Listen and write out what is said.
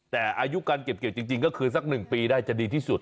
แต่อายุการเก็บเกี่ยวจริงก็คือสัก๑ปีได้จะดีที่สุด